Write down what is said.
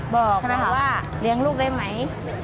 บอกว่าเลี้ยงลูกได้ไหม